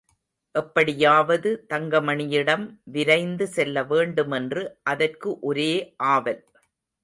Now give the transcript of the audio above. எப்படியாவது தங்கமணியிடம் விரைந்து செல்ல வேண்டுமென்று அதற்கு ஒரே ஆவல்.